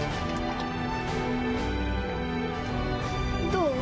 どう？